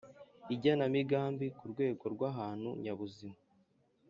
Igenamigambi ku rwego rw ahantu nyabuzima